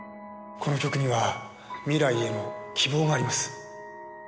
この曲には未来への希望があります。